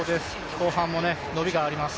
後半も伸びがあります。